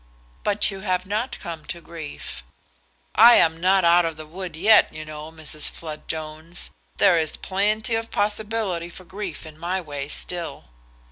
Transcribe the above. "But you have not come to grief." "I am not out of the wood yet, you know, Mrs. Flood Jones. There is plenty of possibility for grief in my way still."